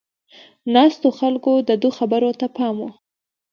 ناستو خلکو د ده خبرو ته پام و.